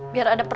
biar ada per